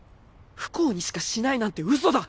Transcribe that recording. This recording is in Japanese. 不幸にしかしないなんて嘘だ。